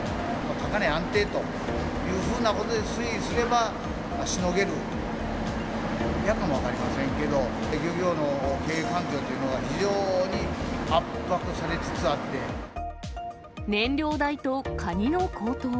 高値安定というふうなことで推移すれば、しのげるかもわかりませんけど、漁業の経営環境というのは非常に燃料代とカニの高騰。